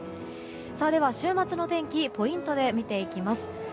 週末の天気をポイントで見ていきます。